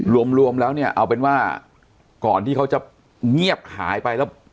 รวมแล้วเนี่ยเอาเป็นว่าก่อนที่เขาจะเงียบหายไปแล้ว